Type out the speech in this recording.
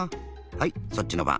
はいそっちのばん。